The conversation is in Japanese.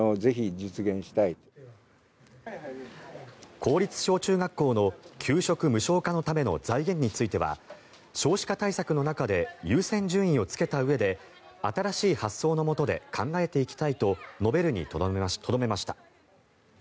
公立小中学校の給食無償化のための財源については少子化対策の中で優先順位をつけたうえで新しい発想のもとで考えていきたいと述べるにとどめました。